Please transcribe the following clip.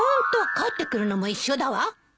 帰ってくるのも一緒だわ。